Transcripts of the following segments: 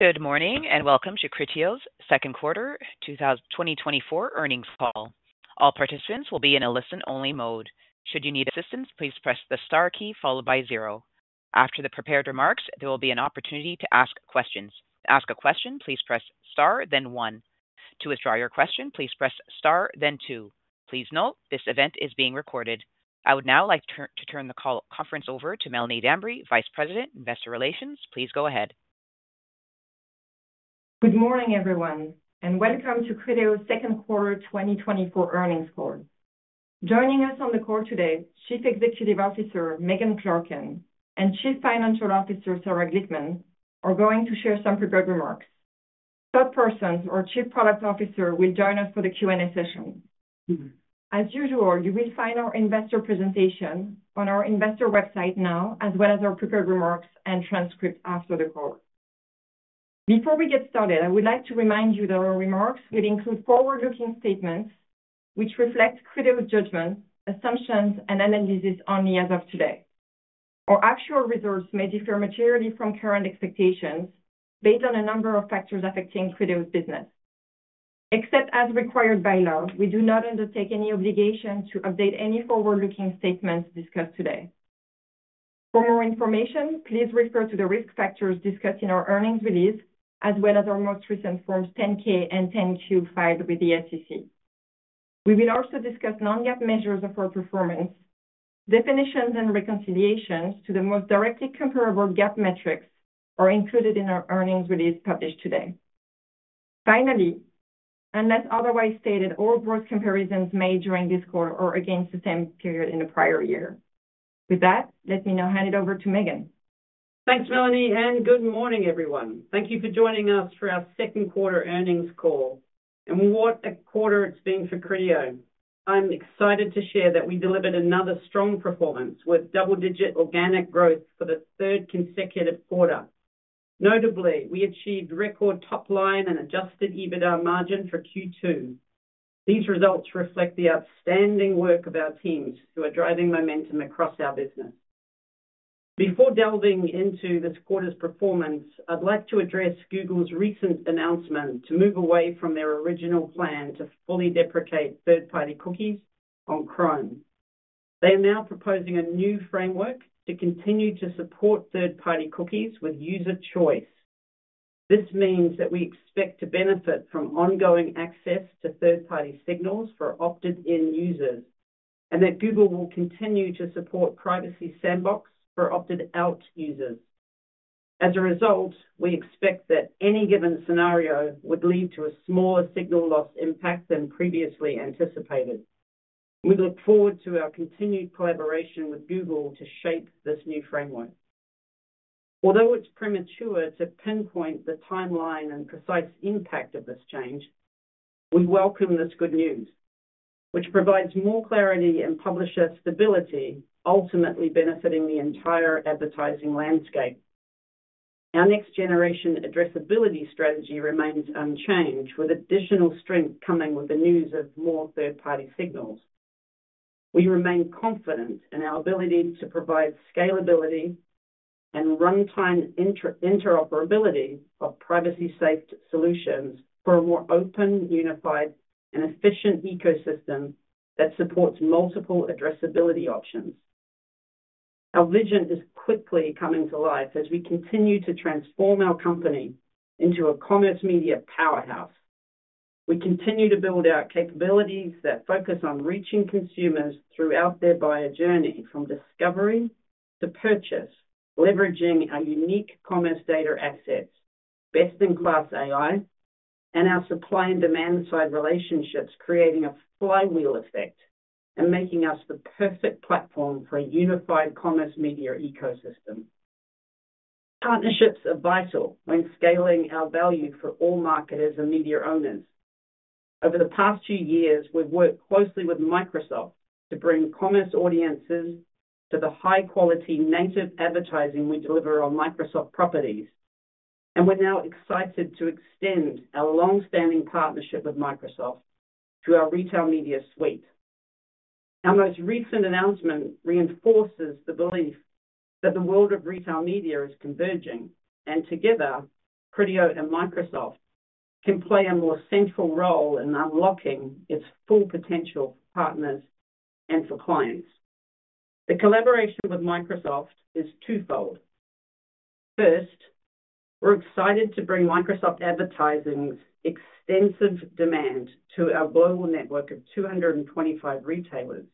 Good morning and welcome to Criteo's Second Quarter 2024 Earnings Call. All participants will be in a listen-only mode. Should you need assistance, please press the star key followed by zero. After the prepared remarks, there will be an opportunity to ask questions. To ask a question, please press star, then one. To withdraw your question, please press star, then two. Please note this event is being recorded. I would now like to turn the conference over to Melanie Dambre, Vice President, Investor Relations. Please go ahead. Good morning, everyone, and welcome to Criteo's Second Quarter 2024 Earnings Call. Joining us on the call today, Chief Executive Officer Megan Clarken and Chief Financial Officer Sarah Glickman are going to share some prepared remarks. Todd Parsons, our Chief Product Officer, will join us for the Q&A session. As usual, you will find our investor presentation on our investor website now, as well as our prepared remarks and transcript after the call. Before we get started, I would like to remind you that our remarks will include forward-looking statements which reflect Criteo's judgments, assumptions, and analysis only as of today. Our actual results may differ materially from current expectations based on a number of factors affecting Criteo's business. Except as required by law, we do not undertake any obligation to update any forward-looking statements discussed today. For more information, please refer to the risk factors discussed in our earnings release, as well as our most recent Forms 10-K and 10-Q filed with the SEC. We will also discuss non-GAAP measures of our performance. Definitions and reconciliations to the most directly comparable GAAP metrics are included in our earnings release published today. Finally, unless otherwise stated, all gross comparisons made during this call are against the same period in the prior year. With that, let me now hand it over to Megan. Thanks, Melanie, and good morning, everyone. Thank you for joining us for our second quarter earnings call. What a quarter it's been for Criteo. I'm excited to share that we delivered another strong performance with double-digit organic growth for the third consecutive quarter. Notably, we achieved record top line and adjusted EBITDA margin for Q2. These results reflect the outstanding work of our teams who are driving momentum across our business. Before delving into this quarter's performance, I'd like to address Google's recent announcement to move away from their original plan to fully deprecate third-party cookies on Chrome. They are now proposing a new framework to continue to support third-party cookies with user choice. This means that we expect to benefit from ongoing access to third-party signals for opted-in users and that Google will continue to support Privacy Sandbox for opted-out users. As a result, we expect that any given scenario would lead to a smaller signal loss impact than previously anticipated. We look forward to our continued collaboration with Google to shape this new framework. Although it's premature to pinpoint the timeline and precise impact of this change, we welcome this good news, which provides more clarity and publisher stability, ultimately benefiting the entire advertising landscape. Our next-generation addressability strategy remains unchanged, with additional strength coming with the news of more third-party signals. We remain confident in our ability to provide scalability and runtime interoperability of privacy-safe solutions for a more open, unified, and efficient ecosystem that supports multiple addressability options. Our vision is quickly coming to life as we continue to transform our company into a commerce media powerhouse. We continue to build our capabilities that focus on reaching consumers throughout their buyer journey from discovery to purchase, leveraging our unique commerce data assets, best-in-class AI, and our supply and demand side relationships, creating a flywheel effect and making us the perfect platform for a unified commerce media ecosystem. Partnerships are vital when scaling our value for all marketers and media owners. Over the past few years, we've worked closely with Microsoft to bring commerce audiences to the high-quality native advertising we deliver on Microsoft properties, and we're now excited to extend our long-standing partnership with Microsoft to our retail media suite. Our most recent announcement reinforces the belief that the world of retail media is converging, and together, Criteo and Microsoft can play a more central role in unlocking its full potential for partners and for clients. The collaboration with Microsoft is twofold. First, we're excited to bring Microsoft Advertising's extensive demand to our global network of 225 retailers.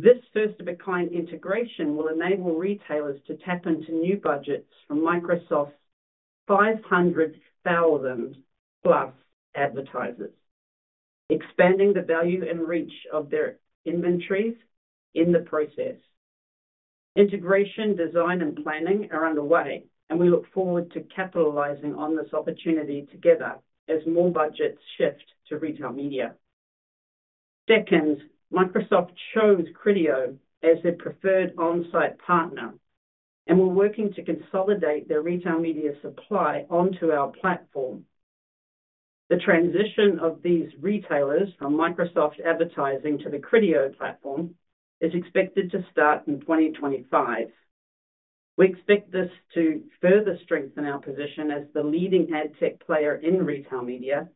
This first-of-its-kind integration will enable retailers to tap into new budgets from Microsoft's 500,000+ advertisers, expanding the value and reach of their inventories in the process. Integration design and planning are underway, and we look forward to capitalizing on this opportunity together as more budgets shift to retail media. Second, Microsoft chose Criteo as their preferred on-site partner and we're working to consolidate their retail media supply onto our platform. The transition of these retailers from Microsoft Advertising to the Criteo platform is expected to start in 2025. We expect this to further strengthen our position as the leading ad TAC player in retail media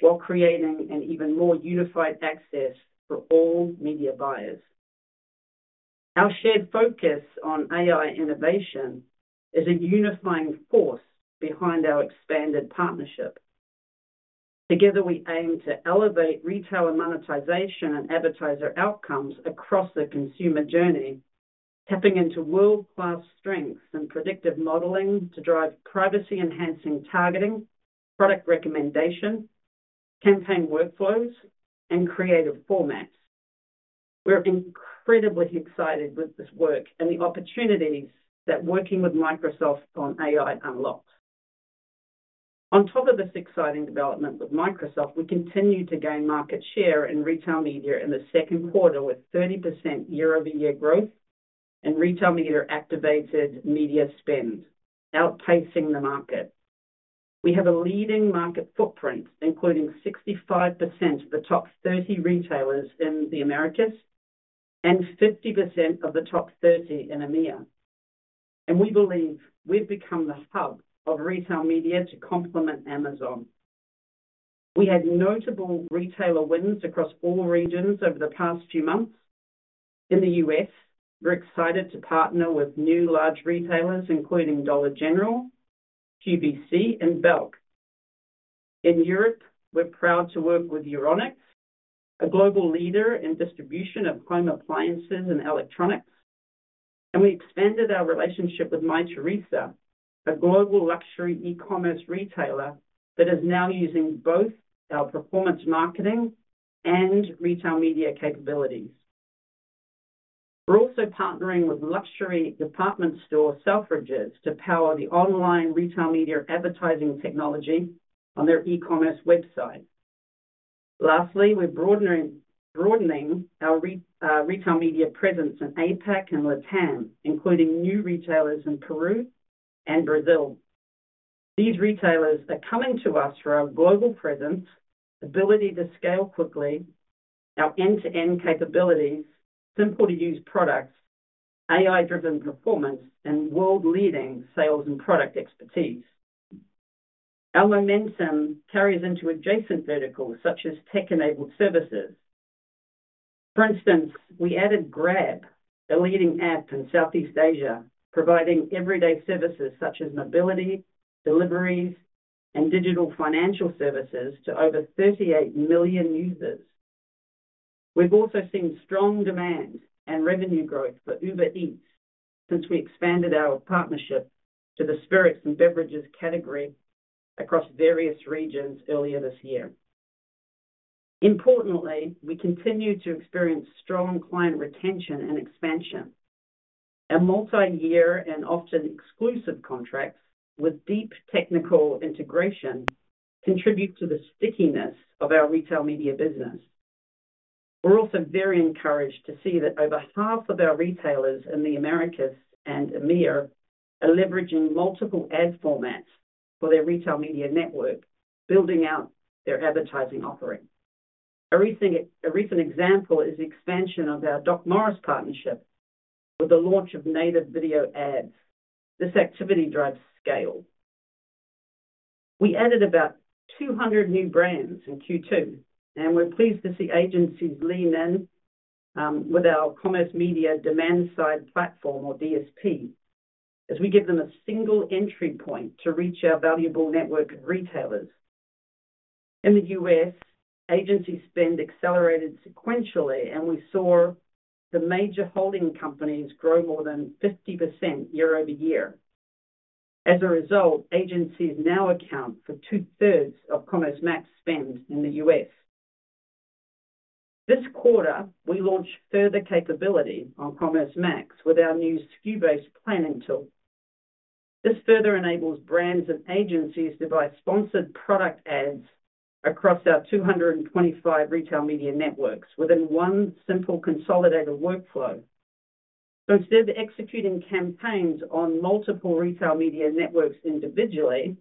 while creating an even more unified access for all media buyers. Our shared focus on AI innovation is a unifying force behind our expanded partnership. Together, we aim to elevate retailer monetization and advertiser outcomes across the consumer journey, tapping into world-class strengths in predictive modeling to drive privacy-enhancing targeting, product recommendation, campaign workflows, and creative formats. We're incredibly excited with this work and the opportunities that working with Microsoft on AI unlocked. On top of this exciting development with Microsoft, we continue to gain market share in retail media in the second quarter with 30% year-over-year growth and retail media activated media spend, outpacing the market. We have a leading market footprint, including 65% of the top 30 retailers in the Americas and 50% of the top 30 in EMEA. We believe we've become the hub of retail media to complement Amazon. We had notable retailer wins across all regions over the past few months. In the US, we're excited to partner with new large retailers, including Dollar General, QVC, and Belk. In Europe, we're proud to work with Euronics, a global leader in distribution of home appliances and electronics, and we expanded our relationship with Mytheresa, a global luxury e-commerce retailer that is now using both our performance marketing and retail media capabilities. We're also partnering with luxury department store Selfridges to power the online retail media advertising technology on their e-commerce website. Lastly, we're broadening our retail media presence in APAC and LatAm, including new retailers in Peru and Brazil. These retailers are coming to us for our global presence, ability to scale quickly, our end-to-end capabilities, simple-to-use products, AI-driven performance, and world-leading sales and product expertise. Our momentum carries into adjacent verticals such as tech-enabled services. For instance, we added Grab, a leading app in Southeast Asia, providing everyday services such as mobility, deliveries, and digital financial services to over 38 million users. We've also seen strong demand and revenue growth for Uber Eats since we expanded our partnership to the spirits and beverages category across various regions earlier this year. Importantly, we continue to experience strong client retention and expansion. Our multi-year and often exclusive contracts with deep technical integration contribute to the stickiness of our retail media business. We're also very encouraged to see that over half of our retailers in the Americas and EMEA are leveraging multiple ad formats for their retail media network, building out their advertising offering. A recent example is the expansion of our DocMorris partnership with the launch of native video ads. This activity drives scale. We added about 200 new brands in Q2, and we're pleased to see agencies lean in with our commerce media demand-side platform, or DSP, as we give them a single entry point to reach our valuable network of retailers. In the U.S., agency spend accelerated sequentially, and we saw the major holding companies grow more than 50% year-over-year. As a result, agencies now account for two-thirds of Commerce Max spend in the U.S. This quarter, we launched further capability on Commerce Max with our new SKU-based planning tool. This further enables brands and agencies to buy sponsored product ads across our 225 retail media networks within one simple consolidated workflow. So instead of executing campaigns on multiple retail media networks individually,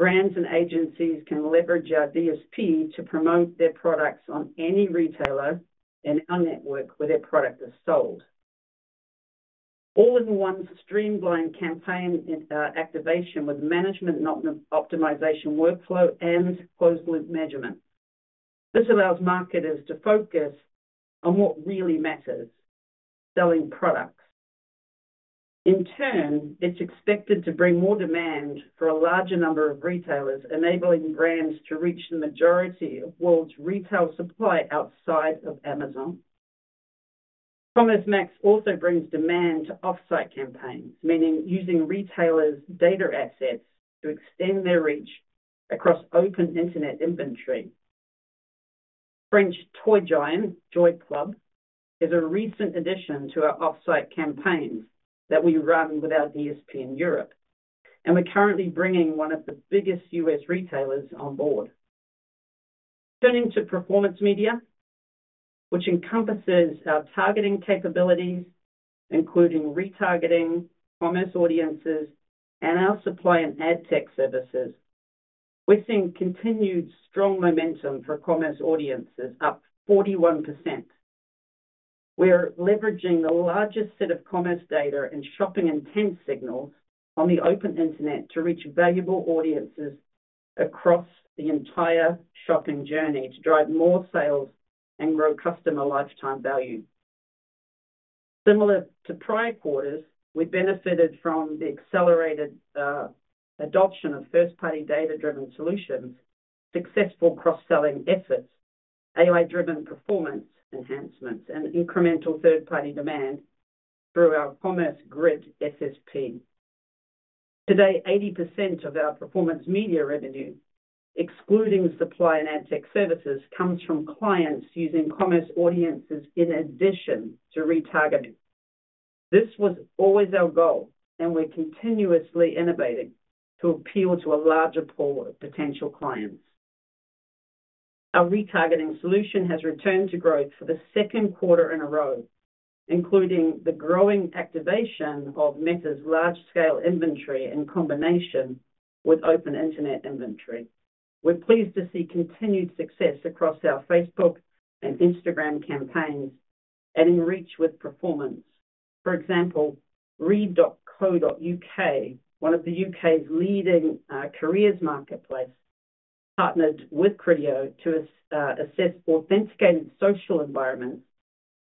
brands and agencies can leverage our DSP to promote their products on any retailer in our network where their product is sold. All-in-one streamlined campaign activation with management optimization workflow and closed-loop measurement. This allows marketers to focus on what really matters: selling products. In turn, it's expected to bring more demand for a larger number of retailers, enabling brands to reach the majority of world's retail supply outside of Amazon. Commerce Max also brings demand to offsite campaigns, meaning using retailers' data assets to extend their reach across open internet inventory. French toy giant JouéClub is a recent addition to our offsite campaigns that we run with our DSP in Europe, and we're currently bringing one of the biggest U.S. retailers on board. Turning to performance media, which encompasses our targeting capabilities, including retargeting, commerce audiences, and our supply and ad tech services, we're seeing continued strong momentum for commerce audiences, up 41%. We're leveraging the largest set of commerce data and shopping intent signals on the open internet to reach valuable audiences across the entire shopping journey to drive more sales and grow customer lifetime value. Similar to prior quarters, we benefited from the accelerated adoption of first-party data-driven solutions, successful cross-selling efforts, AI-driven performance enhancements, and incremental third-party demand through our Commerce Grid SSP. Today, 80% of our performance media revenue, excluding supply and ad tech services, comes from clients using commerce audiences in addition to retargeting. This was always our goal, and we're continuously innovating to appeal to a larger pool of potential clients. Our retargeting solution has returned to growth for the second quarter in a row, including the growing activation of Meta's large-scale inventory in combination with open internet inventory. We're pleased to see continued success across our Facebook and Instagram campaigns and in reach with performance. For example, Reed.co.uk, one of the UK's leading careers marketplaces, partnered with Criteo to assess authenticated social environments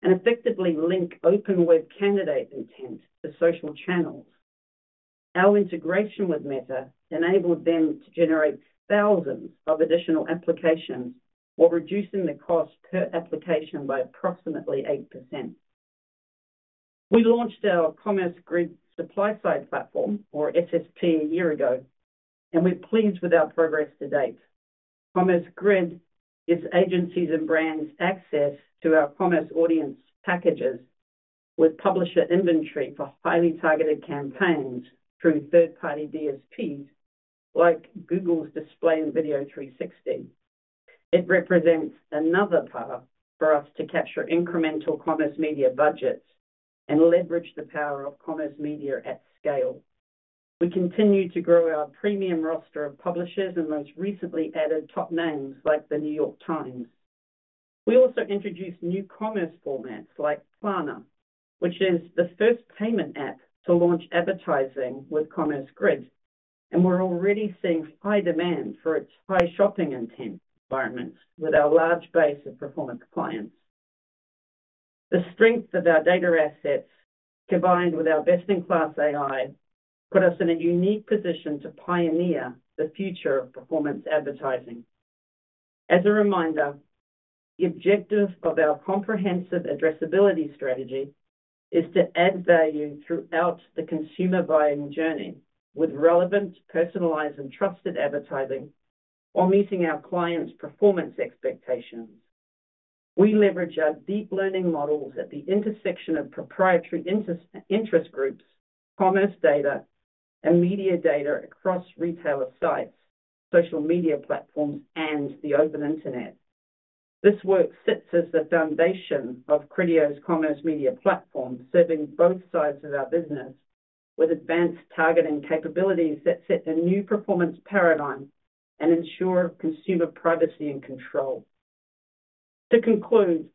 and effectively link open web candidate intent to social channels. Our integration with Meta enabled them to generate thousands of additional applications, while reducing the cost per application by approximately 8%. We launched our Commerce Grid supply-side platform, or SSP, a year ago, and we're pleased with our progress to date. Commerce Grid gives agencies and brands access to our commerce audience packages with publisher inventory for highly targeted campaigns through third-party DSPs like Google's Display & Video 360. It represents another path for us to capture incremental commerce media budgets and leverage the power of commerce media at scale. We continue to grow our premium roster of publishers and most recently added top names like The New York Times. We also introduced new commerce formats like Klarna, which is the first payment app to launch advertising with Commerce Grid, and we're already seeing high demand for its high shopping intent environments with our large base of performance clients. The strength of our data assets, combined with our best-in-class AI, put us in a unique position to pioneer the future of performance advertising. As a reminder, the objective of our comprehensive addressability strategy is to add value throughout the consumer buying journey with relevant, personalized, and trusted advertising while meeting our clients' performance expectations. We leverage our deep learning models at the intersection of proprietary interest groups, commerce data, and media data across retailer sites, social media platforms, and the open internet. This work sits as the foundation of Criteo's commerce media platform, serving both sides of our business with advanced targeting capabilities that set a new performance paradigm and ensure consumer privacy and control. To conclude,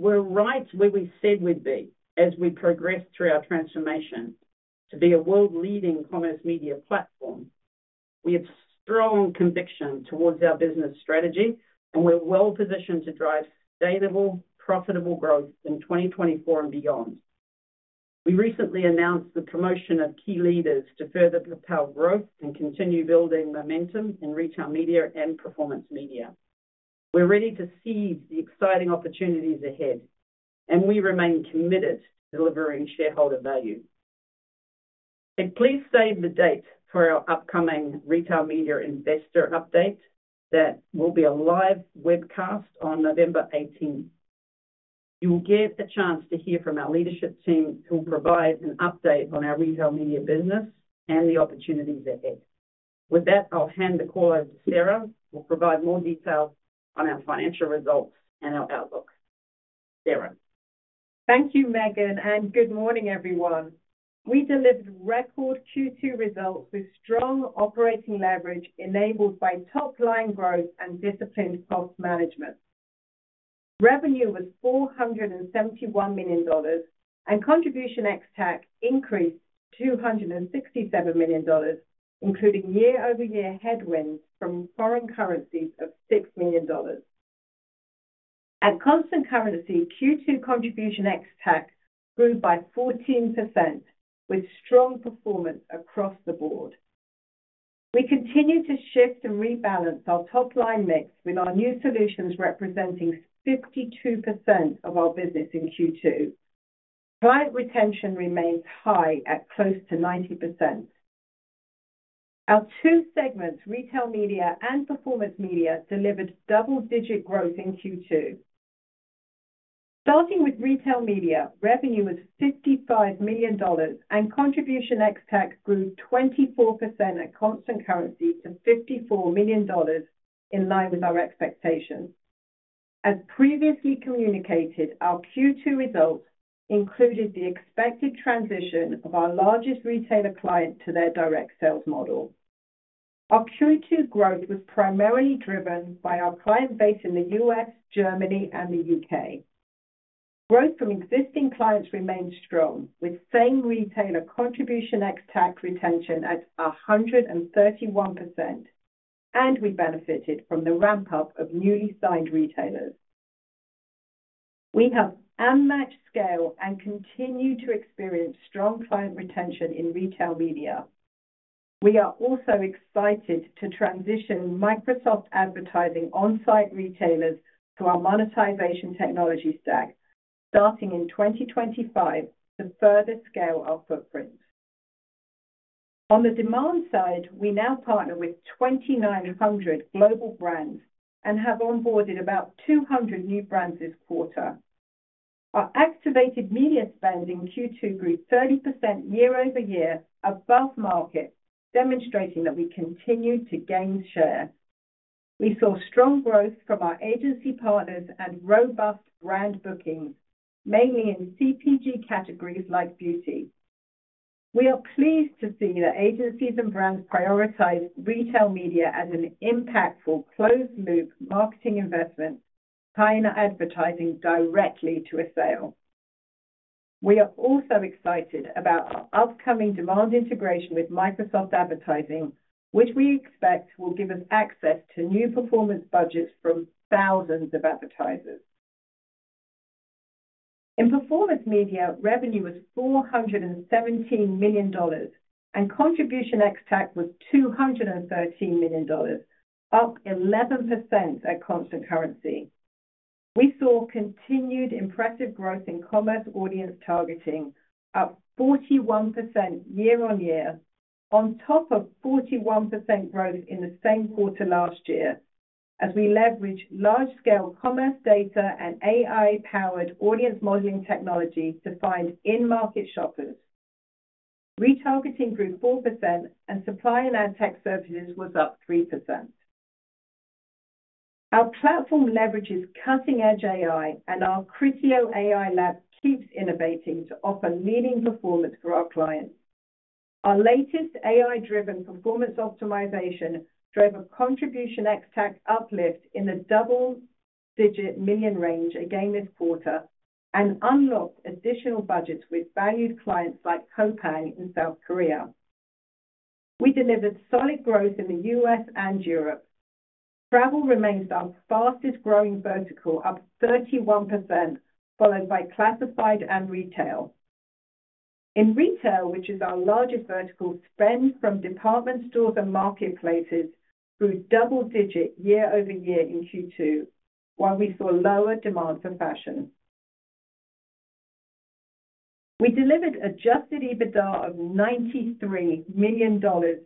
we're right where we said we'd be as we progress through our transformation to be a world-leading commerce media platform. We have strong conviction towards our business strategy, and we're well-positioned to drive sustainable, profitable growth in 2024 and beyond. We recently announced the promotion of key leaders to further propel growth and continue building momentum in retail media and performance media. We're ready to seize the exciting opportunities ahead, and we remain committed to delivering shareholder value. Please save the date for our upcoming retail media investor update that will be a live webcast on November 18th. You'll get a chance to hear from our leadership team who will provide an update on our retail media business and the opportunities ahead. With that, I'll hand the call over to Sarah, who will provide more detail on our financial results and our outlook. Sarah. Thank you, Megan, and good morning, everyone. We delivered record Q2 results with strong operating leverage enabled by top-line growth and disciplined cost management. Revenue was $471 million, and contribution ex-TAC increased $267 million, including year-over-year headwinds from foreign currencies of $6 million. At constant currency, Q2 contribution ex-TAC grew by 14%, with strong performance across the board. We continue to shift and rebalance our top-line mix with our new solutions representing 52% of our business in Q2. Client retention remains high at close to 90%. Our two segments, retail media and performance media, delivered double-digit growth in Q2. Starting with retail media, revenue was $55 million, and contribution ex-TAC grew 24% at constant currency to $54 million, in line with our expectations. As previously communicated, our Q2 results included the expected transition of our largest retailer client to their direct sales model. Our Q2 growth was primarily driven by our client base in the US, Germany, and the UK. Growth from existing clients remained strong, with same retailer contribution ex-TAC retention at 131%, and we benefited from the ramp-up of newly signed retailers. We have unmatched scale and continue to experience strong client retention in retail media. We are also excited to transition Microsoft Advertising on-site retailers to our monetization technology stack, starting in 2025 to further scale our footprint. On the demand side, we now partner with 2,900 global brands and have onboarded about 200 new brands this quarter. Our activated media spend in Q2 grew 30% year-over-year, above market, demonstrating that we continue to gain share. We saw strong growth from our agency partners and robust brand bookings, mainly in CPG categories like beauty. We are pleased to see that agencies and brands prioritize retail media as an impactful closed-loop marketing investment, tying advertising directly to a sale. We are also excited about our upcoming demand integration with Microsoft Advertising, which we expect will give us access to new performance budgets from thousands of advertisers. In performance media, revenue was $417 million, and contribution ex-TAC was $213 million, up 11% at constant currency. We saw continued impressive growth in commerce audience targeting, up 41% year-on-year, on top of 41% growth in the same quarter last year, as we leveraged large-scale commerce data and AI-powered audience modeling technology to find in-market shoppers. Retargeting grew 4%, and supply and ad tech services was up 3%. Our platform leverages cutting-edge AI, and our Criteo AI Lab keeps innovating to offer leading performance for our clients. Our latest AI-driven performance optimization drove a contribution ex-TAC uplift in the double-digit million range again this quarter and unlocked additional budgets with valued clients like Coupang in South Korea. We delivered solid growth in the U.S. and Europe. Travel remains our fastest-growing vertical, up 31%, followed by classified and retail. In retail, which is our largest vertical, spend from department stores and marketplaces grew double-digit year-over-year in Q2, while we saw lower demand for fashion. We delivered Adjusted EBITDA of $93 million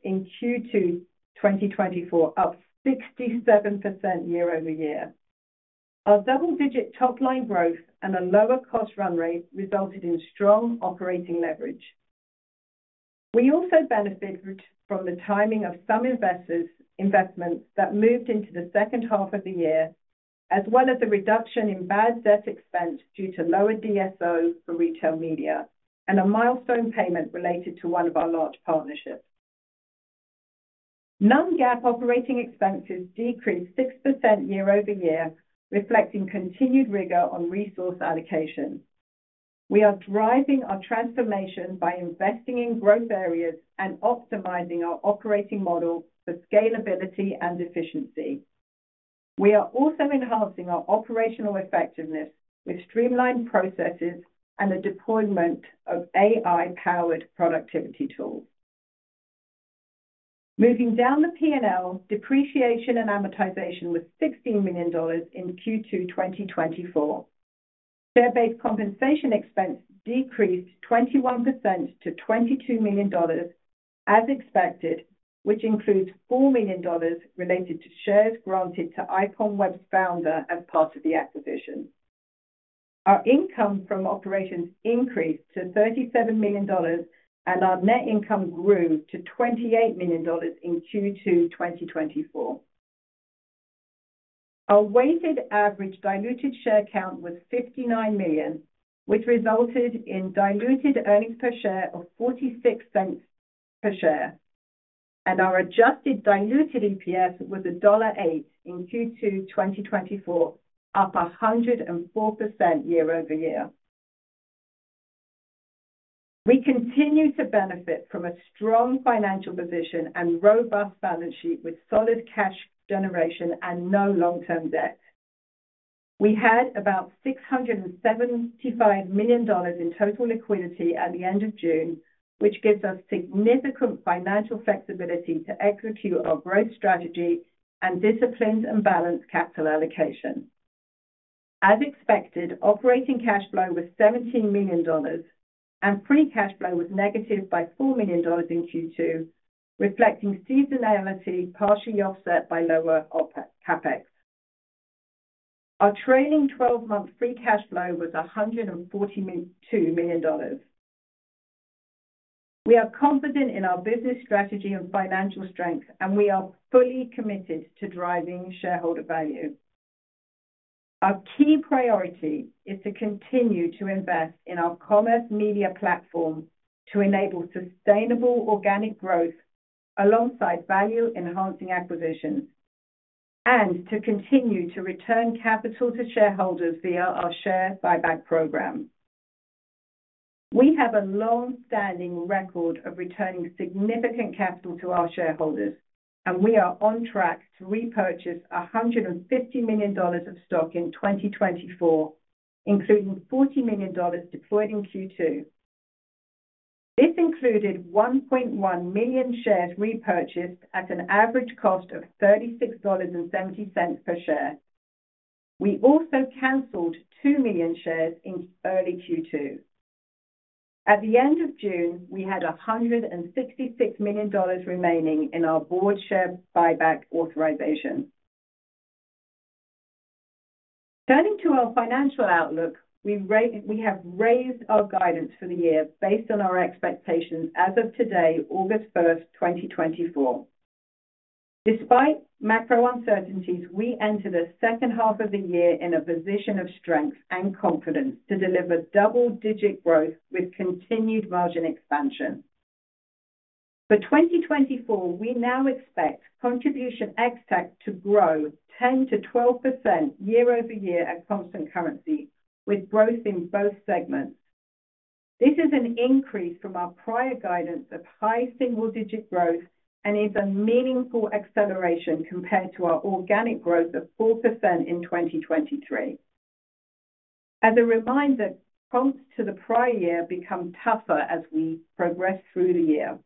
in Q2 2024, up 67% year-over-year. Our double-digit top-line growth and a lower cost run rate resulted in strong operating leverage. We also benefited from the timing of some investments that moved into the second half of the year, as well as the reduction in bad debt expense due to lower DSO for retail media and a milestone payment related to one of our large partnerships. Non-GAAP operating expenses decreased 6% year-over-year, reflecting continued rigor on resource allocation. We are driving our transformation by investing in growth areas and optimizing our operating model for scalability and efficiency. We are also enhancing our operational effectiveness with streamlined processes and the deployment of AI-powered productivity tools. Moving down the P&L, depreciation and amortization was $16 million in Q2 2024. Share-based compensation expense decreased 21% to $22 million, as expected, which includes $4 million related to shares granted to IPONWEB's founder as part of the acquisition. Our income from operations increased to $37 million, and our net income grew to $28 million in Q2 2024. Our weighted average diluted share count was 59 million, which resulted in diluted earnings per share of $0.46 per share, and our adjusted diluted EPS was $1.08 in Q2 2024, up 104% year-over-year. We continue to benefit from a strong financial position and robust balance sheet with solid cash generation and no long-term debt. We had about $675 million in total liquidity at the end of June, which gives us significant financial flexibility to execute our growth strategy and discipline and balance capital allocation. As expected, operating cash flow was $17 million, and free cash flow was negative by $4 million in Q2, reflecting seasonality partially offset by lower CapEx. Our trailing 12-month free cash flow was $142 million. We are confident in our business strategy and financial strength, and we are fully committed to driving shareholder value. Our key priority is to continue to invest in our commerce media platform to enable sustainable organic growth alongside value-enhancing acquisitions and to continue to return capital to shareholders via our share buyback program. We have a long-standing record of returning significant capital to our shareholders, and we are on track to repurchase $150 million of stock in 2024, including $40 million deployed in Q2. This included 1.1 million shares repurchased at an average cost of $36.70 per share. We also canceled 2 million shares in early Q2. At the end of June, we had $166 million remaining in our board share buyback authorization. Turning to our financial outlook, we have raised our guidance for the year based on our expectations as of today, August 1st, 2024. Despite macro uncertainties, we entered the second half of the year in a position of strength and confidence to deliver double-digit growth with continued margin expansion. For 2024, we now expect contribution ex-TAC to grow 10%-12% year-over-year at constant currency, with growth in both segments. This is an increase from our prior guidance of high single-digit growth and is a meaningful acceleration compared to our organic growth of 4% in 2023. As a reminder, comps to the prior year become tougher as we progress through the year.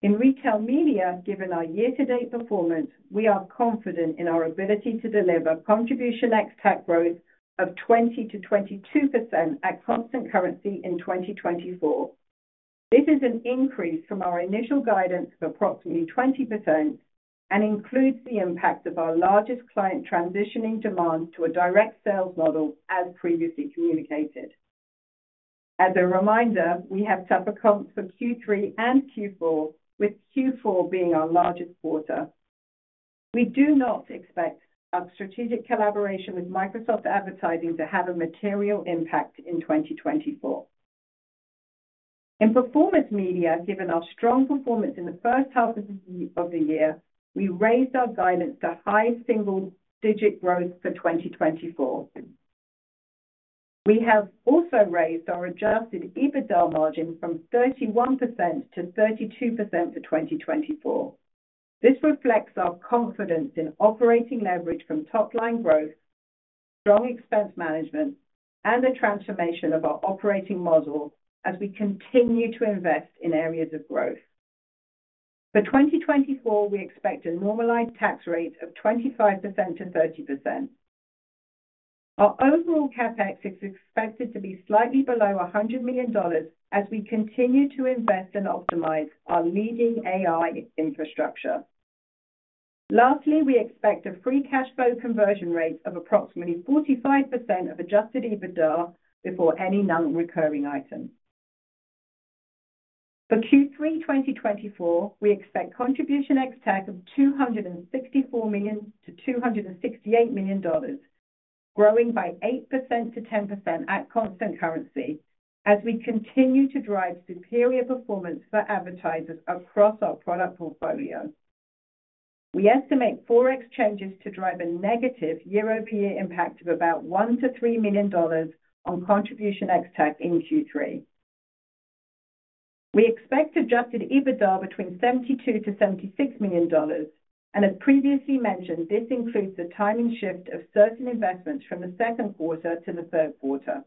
In retail media, given our year-to-date performance, we are confident in our ability to deliver contribution ex-TAC growth of 20%-22% at constant currency in 2024. This is an increase from our initial guidance of approximately 20% and includes the impact of our largest client transitioning demand to a direct sales model, as previously communicated. As a reminder, we have tougher comps for Q3 and Q4, with Q4 being our largest quarter. We do not expect our strategic collaboration with Microsoft Advertising to have a material impact in 2024. In performance media, given our strong performance in the first half of the year, we raised our guidance to high single-digit growth for 2024. We have also raised our Adjusted EBITDA margin from 31% to 32% for 2024. This reflects our confidence in operating leverage from top-line growth, strong expense management, and the transformation of our operating model as we continue to invest in areas of growth. For 2024, we expect a normalized tax rate of 25%-30%. Our overall CapEx is expected to be slightly below $100 million as we continue to invest and optimize our leading AI infrastructure. Lastly, we expect a free cash flow conversion rate of approximately 45% of Adjusted EBITDA before any non-recurring item. For Q3 2024, we expect Contribution ex-TAC of $264 million-$268 million, growing by 8%-10% at constant currency as we continue to drive superior performance for advertisers across our product portfolio. We estimate forex changes to drive a negative year-over-year impact of about $1 million-$3 million on Contribution ex-TAC in Q3. We expect adjusted EBITDA between $72 million-$76 million, and as previously mentioned, this includes the timing shift of certain investments from the second quarter to the third quarter.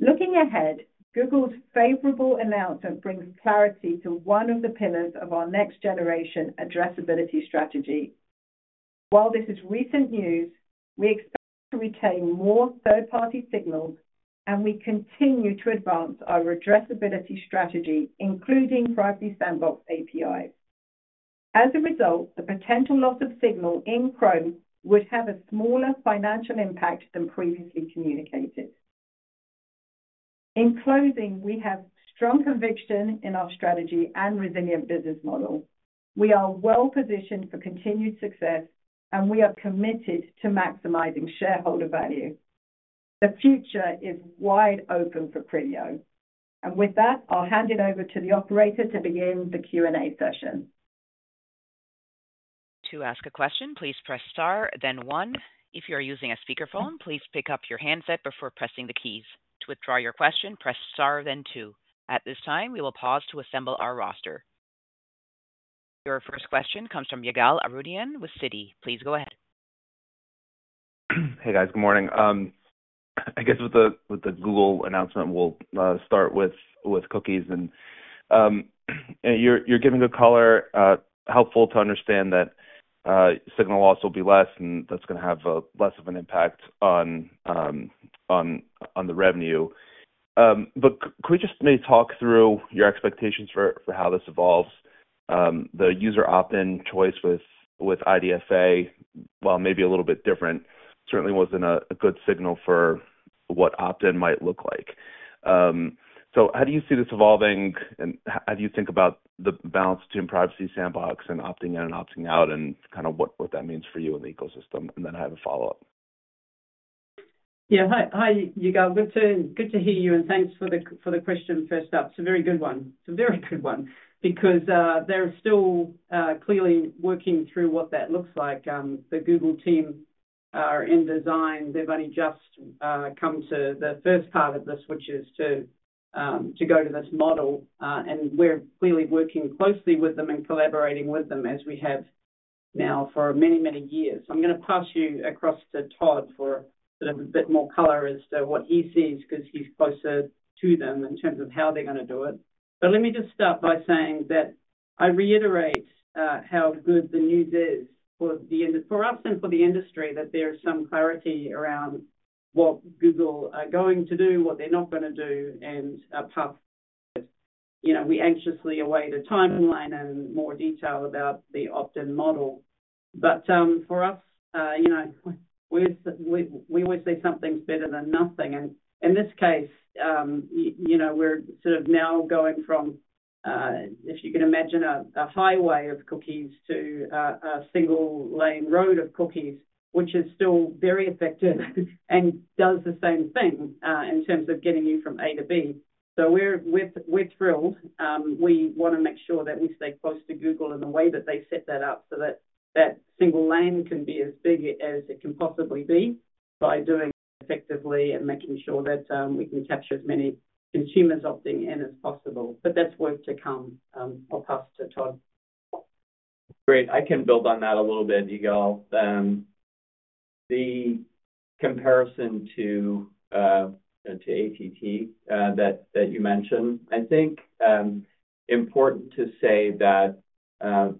Looking ahead, Google's favorable announcement brings clarity to one of the pillars of our next-generation addressability strategy. While this is recent news, we expect to retain more third-party signals, and we continue to advance our addressability strategy, including Privacy Sandbox APIs. As a result, the potential loss of signal in Chrome would have a smaller financial impact than previously communicated. In closing, we have strong conviction in our strategy and resilient business model. We are well-positioned for continued success, and we are committed to maximizing shareholder value. The future is wide open for Criteo. And with that, I'll hand it over to the operator to begin the Q&A session. To ask a question, please press star, then one. If you are using a speakerphone, please pick up your handset before pressing the keys. To withdraw your question, press star, then two. At this time, we will pause to assemble our roster. Your first question comes from Ygal Arounian with Citi. Please go ahead. Hey, guys. Good morning. I guess with the Google announcement, we'll start with cookies. And you're giving a color helpful to understand that signal loss will be less, and that's going to have less of an impact on the revenue. But could we just maybe talk through your expectations for how this evolves? The user opt-in choice with IDFA, while maybe a little bit different, certainly wasn't a good signal for what opt-in might look like. So how do you see this evolving, and how do you think about the balance between Privacy Sandbox and opting in and opting out, and kind of what that means for you in the ecosystem? And then I have a follow-up. Yeah. Hi, Yigal. Good to hear you, and thanks for the question first up. It's a very good one. It's a very good one because they're still clearly working through what that looks like. The Google team are in design. They've only just come to the first part of the switches to go to this model. And we're clearly working closely with them and collaborating with them as we have now for many, many years. I'm going to pass you across to Todd for sort of a bit more color as to what he sees because he's closer to them in terms of how they're going to do it. Let me just start by saying that I reiterate how good the news is for us and for the industry, that there is some clarity around what Google are going to do, what they're not going to do, and a path. We anxiously await a timeline and more detail about the opt-in model. But for us, we always say something's better than nothing. And in this case, we're sort of now going from, if you can imagine, a highway of cookies to a single-lane road of cookies, which is still very effective and does the same thing in terms of getting you from A to B. So we're thrilled. We want to make sure that we stay close to Google and the way that they set that up so that that single lane can be as big as it can possibly be by doing it effectively and making sure that we can capture as many consumers opting in as possible. But that's work to come. I'll pass to Todd. Great. I can build on that a little bit, Yigal. The comparison to ATT that you mentioned, I think it's important to say that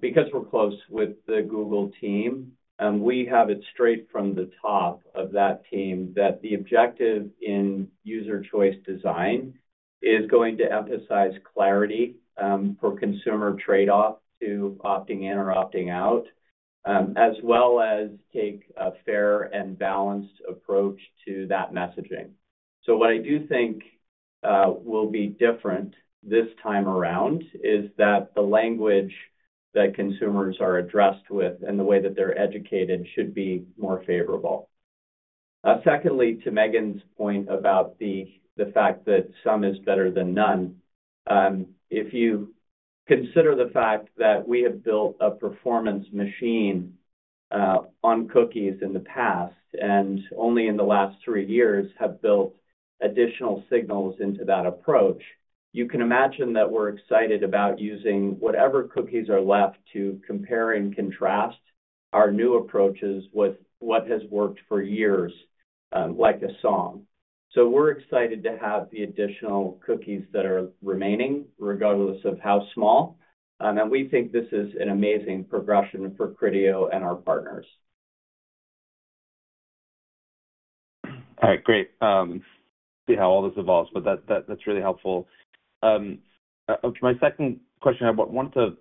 because we're close with the Google team, we have it straight from the top of that team that the objective in user choice design is going to emphasize clarity for consumer trade-off to opting in or opting out, as well as take a fair and balanced approach to that messaging. So what I do think will be different this time around is that the language that consumers are addressed with and the way that they're educated should be more favorable. Secondly, to Megan's point about the fact that some is better than none, if you consider the fact that we have built a performance machine on cookies in the past and only in the last three years have built additional signals into that approach, you can imagine that we're excited about using whatever cookies are left to compare and contrast our new approaches with what has worked for years like a song. So we're excited to have the additional cookies that are remaining regardless of how small. And we think this is an amazing progression for Criteo and our partners. All right. Great. See how all this evolves. But that's really helpful. My second question, I want to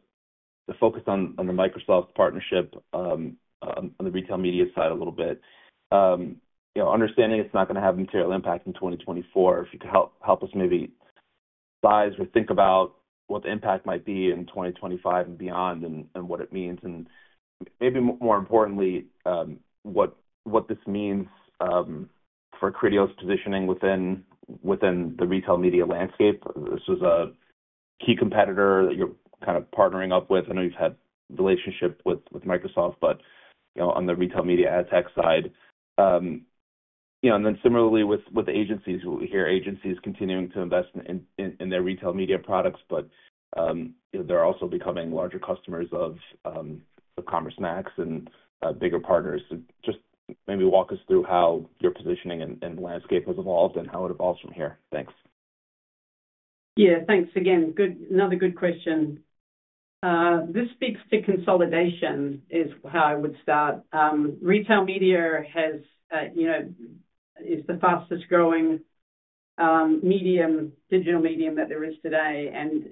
focus on the Microsoft partnership on the retail media side a little bit. Understanding it's not going to have a material impact in 2024, if you could help us maybe size or think about what the impact might be in 2025 and beyond and what it means. And maybe more importantly, what this means for Criteo's positioning within the retail media landscape. This is a key competitor that you're kind of partnering up with. I know you've had a relationship with Microsoft, but on the retail media ad tech side. And then similarly with agencies, we hear agencies continuing to invest in their retail media products, but they're also becoming larger customers of Commerce Max and bigger partners. Just maybe walk us through how your positioning and landscape has evolved and how it evolves from here. Thanks. Yeah. Thanks again. Another good question. This speaks to consolidation, is how I would start. Retail media is the fastest-growing digital medium that there is today. And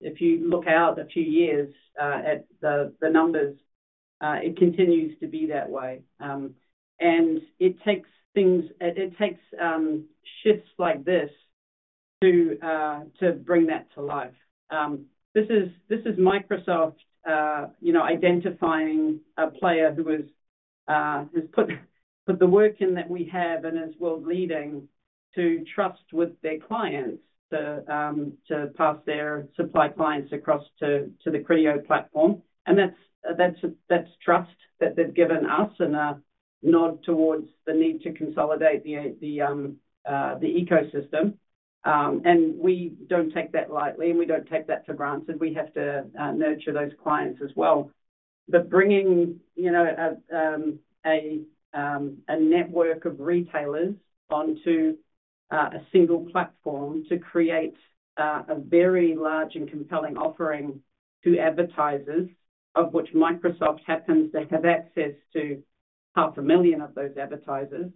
if you look out a few years at the numbers, it continues to be that way. And it takes shifts like this to bring that to life. This is Microsoft identifying a player who has put the work in that we have and is world-leading to trust with their clients to pass their supply clients across to the Criteo platform. And that's trust that they've given us and a nod towards the need to consolidate the ecosystem. And we don't take that lightly, and we don't take that for granted. We have to nurture those clients as well. But bringing a network of retailers onto a single platform to create a very large and compelling offering to advertisers, of which Microsoft happens to have access to 500,000 of those advertisers,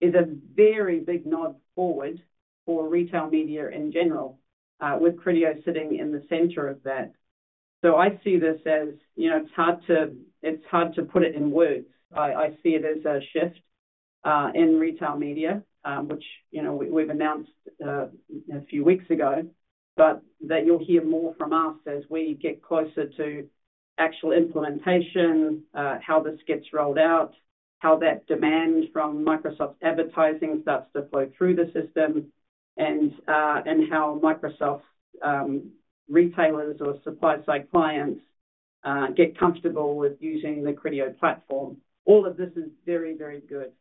is a very big nod forward for retail media in general, with Criteo sitting in the center of that. So I see this as it's hard to put it in words. I see it as a shift in retail media, which we've announced a few weeks ago, but that you'll hear more from us as we get closer to actual implementation, how this gets rolled out, how that demand from Microsoft's advertising starts to flow through the system, and how Microsoft's retailers or supply-side clients get comfortable with using the Criteo platform. All of this is very, very good.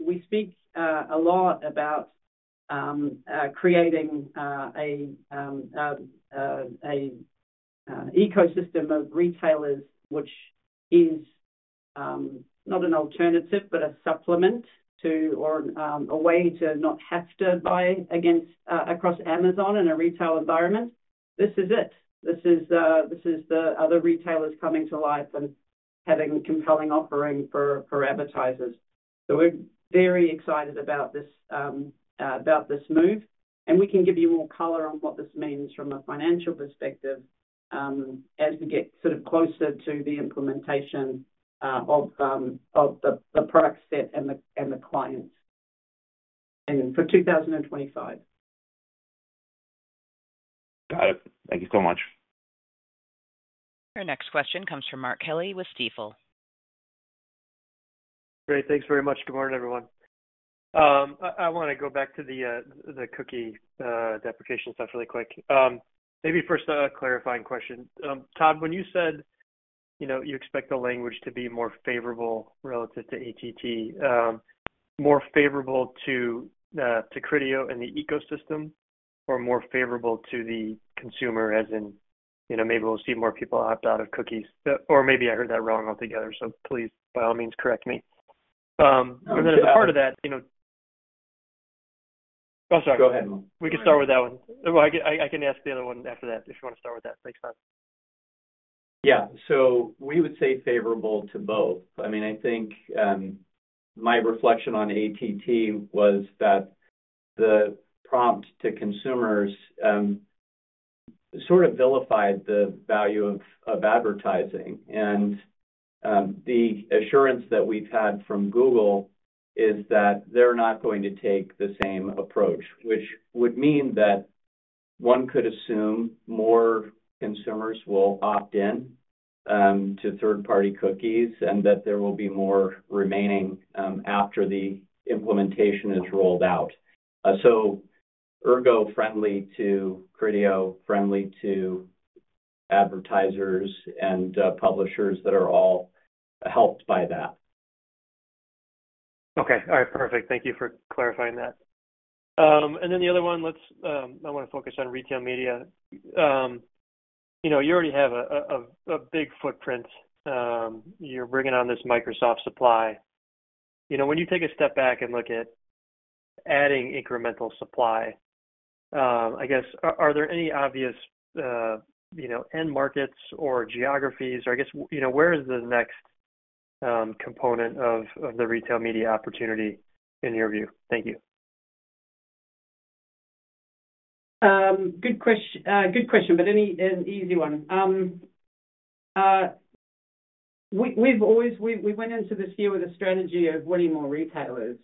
We speak a lot about creating an ecosystem of retailers, which is not an alternative but a supplement to or a way to not have to buy across Amazon in a retail environment. This is it. This is the other retailers coming to life and having a compelling offering for advertisers. So we're very excited about this move. And we can give you more color on what this means from a financial perspective as we get sort of closer to the implementation of the product set and the clients for 2025. Got it. Thank you so much. Our next question comes from Mark Kelley with Stifel. Great. Thanks very much. Good morning, everyone. I want to go back to the cookie deprecation stuff really quick. Maybe first, a clarifying question. Todd, when you said you expect the language to be more favorable relative to ATT, more favorable to Criteo and the ecosystem, or more favorable to the consumer as in maybe we'll see more people opt out of cookies? Or maybe I heard that wrong altogether. So please, by all means, correct me. And then as a part of that. Oh, sorry. Go ahead. We can start with that one. I can ask the other one after that if you want to start with that. Thanks, Todd. Yeah. So we would say favorable to both. I mean, I think my reflection on ATT was that the prompt to consumers sort of vilified the value of advertising. And the assurance that we've had from Google is that they're not going to take the same approach, which would mean that one could assume more consumers will opt in to third-party cookies and that there will be more remaining after the implementation is rolled out. So, ergo, friendly to Criteo, friendly to advertisers and publishers that are all helped by that. Okay. All right. Perfect. Thank you for clarifying that. And then the other one, I want to focus on retail media. You already have a big footprint. You're bringing on this Microsoft supply. When you take a step back and look at adding incremental supply, I guess, are there any obvious end markets or geographies? Or I guess, where is the next component of the retail media opportunity in your view? Thank you. Good question, but an easy one. We went into this year with a strategy of winning more retailers.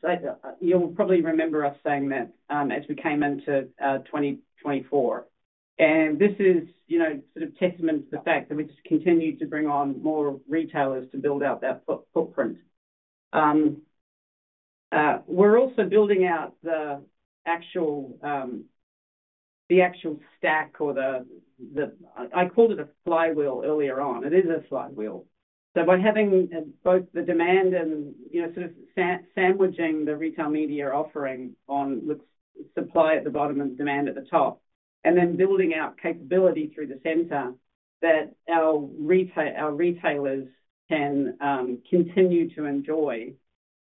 You'll probably remember us saying that as we came into 2024. This is sort of a testament to the fact that we just continue to bring on more retailers to build out that footprint. We're also building out the actual stack or the, I called it a flywheel earlier on. It is a flywheel. So by having both the demand and sort of sandwiching the retail media offering on supply at the bottom and demand at the top, and then building out capability through the center that our retailers can continue to enjoy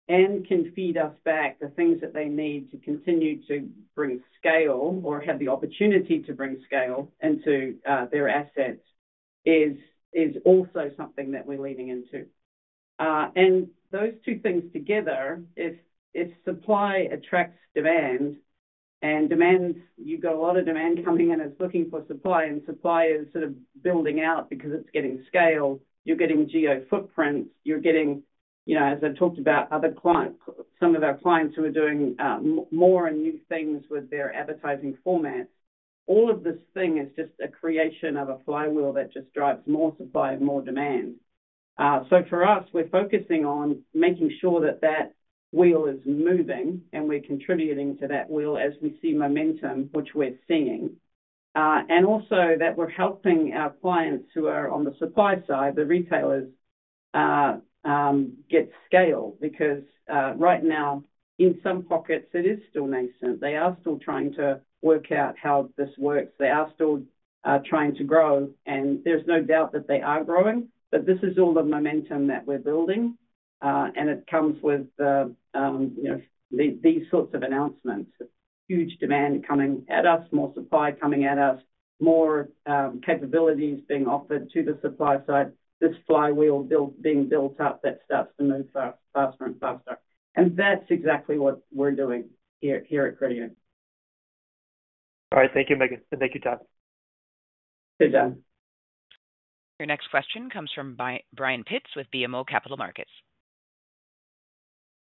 and can feed us back the things that they need to continue to bring scale or have the opportunity to bring scale into their assets is also something that we're leaning into. Those two things together, if supply attracts demand and demands, you've got a lot of demand coming in and it's looking for supply, and supply is sort of building out because it's getting scale, you're getting geo footprints, you're getting, as I talked about, some of our clients who are doing more and new things with their advertising formats. All of this thing is just a creation of a flywheel that just drives more supply and more demand. So for us, we're focusing on making sure that that wheel is moving and we're contributing to that wheel as we see momentum, which we're seeing. And also that we're helping our clients who are on the supply side, the retailers, get scale because right now, in some pockets, it is still nascent. They are still trying to work out how this works. They are still trying to grow. And there's no doubt that they are growing. But this is all the momentum that we're building. And it comes with these sorts of announcements. Huge demand coming at us, more supply coming at us, more capabilities being offered to the supply side, this flywheel being built up that starts to move faster and faster. And that's exactly what we're doing here at Criteo. All right. Thank you, Megan. And thank you, Todd. Good day. Your next question comes from Brian Pitz with BMO Capital Markets.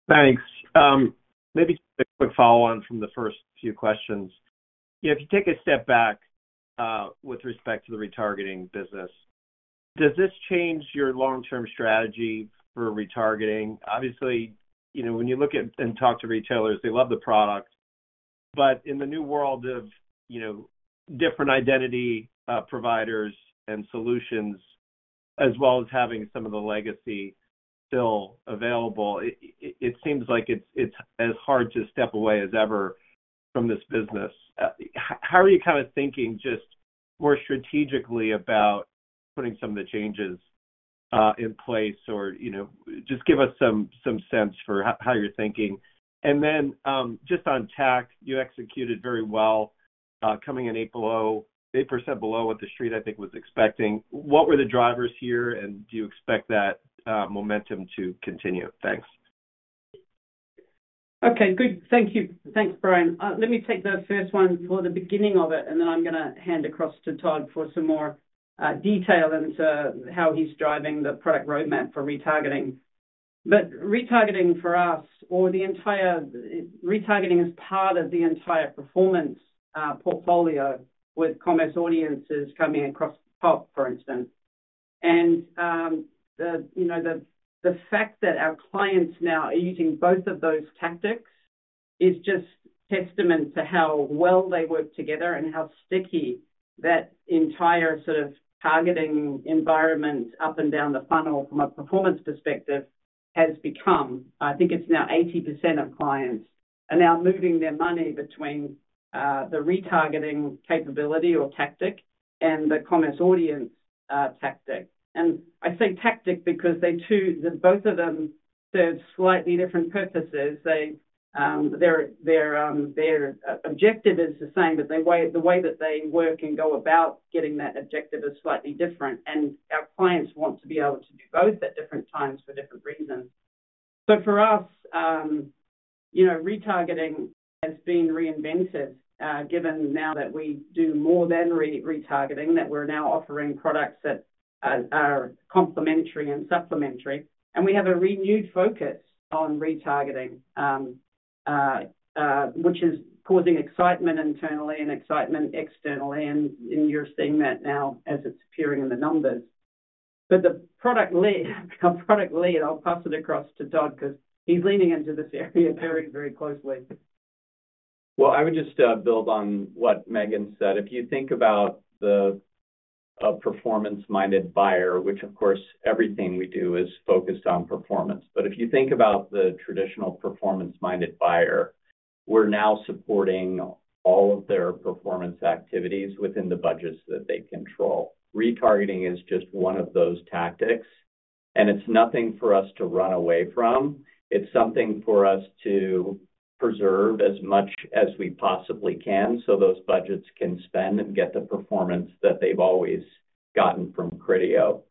Thanks. Maybe just a quick follow-on from the first few questions. If you take a step back with respect to the retargeting business, does this change your long-term strategy for retargeting? Obviously, when you look at and talk to retailers, they love the product. But in the new world of different identity providers and solutions, as well as having some of the legacy still available, it seems like it's as hard to step away as ever from this business. How are you kind of thinking just more strategically about putting some of the changes in place? Or just give us some sense for how you're thinking. And then just on tech, you executed very well coming in 8% below what the street, I think, was expecting. What were the drivers here, and do you expect that momentum to continue? Thanks. Okay. Good. Thank you. Thanks, Brian. Let me take the first one for the beginning of it, and then I'm going to hand across to Todd for some more detail into how he's driving the product roadmap for retargeting. But retargeting for us, or retargeting as part of the entire performance portfolio with Commerce audiences coming across the top, for instance. And the fact that our clients now are using both of those tactics is just a testament to how well they work together and how sticky that entire sort of targeting environment up and down the funnel from a performance perspective has become. I think it's now 80% of clients are now moving their money between the retargeting capability or tactic and the Commerce audience tactic. And I say tactic because both of them serve slightly different purposes. Their objective is the same, but the way that they work and go about getting that objective is slightly different. And our clients want to be able to do both at different times for different reasons. But for us, retargeting has been reinvented given now that we do more than retargeting, that we're now offering products that are complementary and supplementary. And we have a renewed focus on retargeting, which is causing excitement internally and excitement externally. And you're seeing that now as it's appearing in the numbers. But the product lead, I'll pass it across to Todd because he's leaning into this area very, very closely. Well, I would just build on what Megan said. If you think about the performance-minded buyer, which of course, everything we do is focused on performance. But if you think about the traditional performance-minded buyer, we're now supporting all of their performance activities within the budgets that they control. Retargeting is just one of those tactics. And it's nothing for us to run away from. It's something for us to preserve as much as we possibly can so those budgets can spend and get the performance that they've always gotten from Criteo.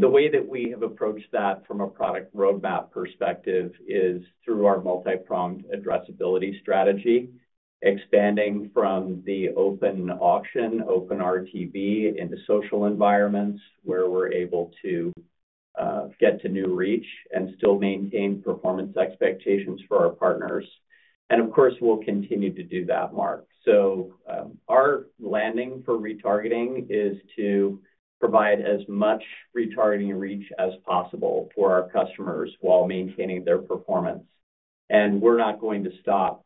The way that we have approached that from a product roadmap perspective is through our multi-pronged addressability strategy, expanding from the open auction, open RTB, into social environments where we're able to get to new reach and still maintain performance expectations for our partners. Of course, we'll continue to do that, Mark. Our landing for retargeting is to provide as much retargeting reach as possible for our customers while maintaining their performance. And we're not going to stop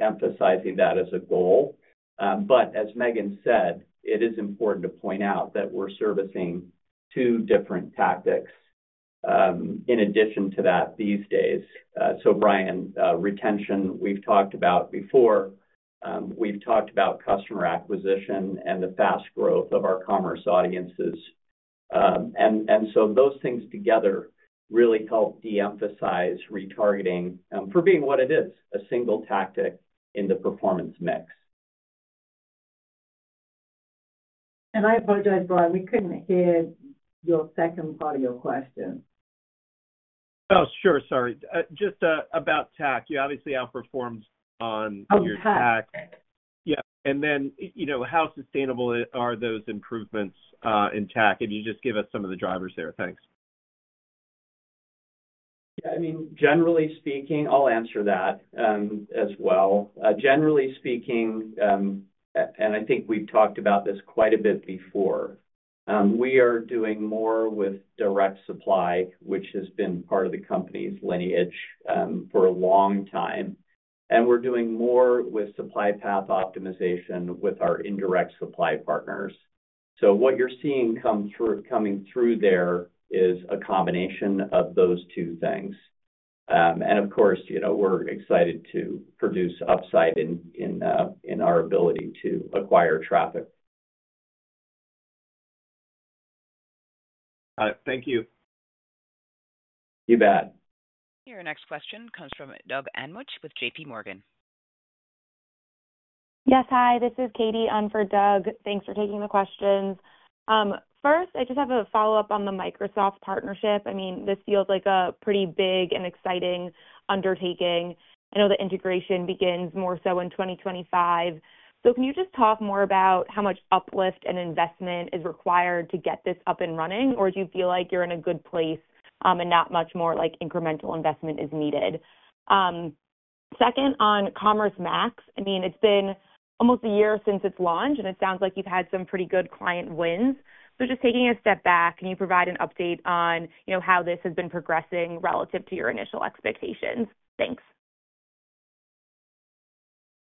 emphasizing that as a goal. But as Megan said, it is important to point out that we're servicing two different tactics in addition to that these days. Brian, retention, we've talked about before. We've talked about customer acquisition and the fast growth of our Commerce audiences. And so those things together really help de-emphasize retargeting for being what it is, a single tactic in the performance mix. And I apologize, Brian. We couldn't hear your second part of your question. Oh, sure. Sorry. Just about tech. You obviously outperformed on your tech. Yeah. And then how sustainable are those improvements in tech? If you just give us some of the drivers there. Thanks. Yeah. I mean, generally speaking, I'll answer that as well. Generally speaking, and I think we've talked about this quite a bit before, we are doing more with direct supply, which has been part of the company's lineage for a long time. And we're doing more with supply path optimization with our indirect supply partners. So what you're seeing coming through there is a combination of those two things. And of course, we're excited to produce upside in our ability to acquire traffic. All right. Thank you. You bet. Your next question comes from Doug Anmuth with JPMorgan. Yes. Hi. This is Katy Ansel on for Doug. Thanks for taking the questions. First, I just have a follow-up on the Microsoft partnership. I mean, this feels like a pretty big and exciting undertaking. I know the integration begins more so in 2025. So can you just talk more about how much uplift and investment is required to get this up and running? Or do you feel like you're in a good place and not much more incremental investment is needed? Second, on Commerce Max. I mean, it's been almost a year since its launch, and it sounds like you've had some pretty good client wins. So just taking a step back, can you provide an update on how this has been progressing relative to your initial expectations? Thanks.